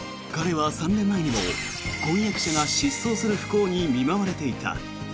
彼は３年前にも婚約者が失踪する不幸に見舞われていた。